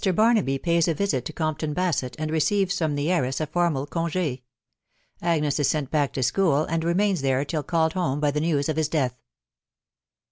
BARNABY FATS A VISIT TO COMPTON BASETT, AND RECEIVES FROM THE HEIRESS A FORMAL CONGE. AGNES IS SENT BACK TO SCHOOL, AND REMAINS THERE TILL CALLED HOME BY THE NEWS OT HIS DEATH.